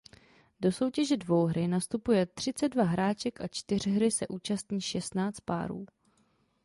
Do soutěže dvouhry nastupuje třicet dva hráček a čtyřhry se účastní šestnáct párů.